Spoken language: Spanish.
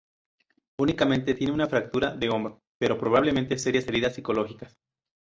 Únicamente tiene una fractura de hombro, pero, probablemente, serias heridas psicológicas.